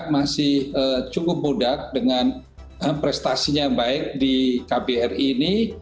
masih cukup bodak dengan prestasinya baik di kbri ini